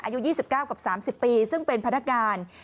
อายุยี่สิบเก้ากับสามสิบปีซึ่งเป็นพนักงาน